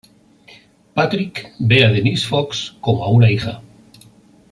Patrick ve a Denise Fox como a una hija.